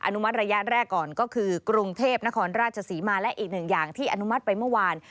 นุมัติระยะแรกก่อนก็คือกรุงเทพนครราชศรีมาและอีกหนึ่งอย่างที่อนุมัติไปเมื่อวาน